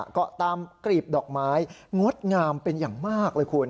เกาะตามกรีบดอกไม้งดงามเป็นอย่างมากเลยคุณ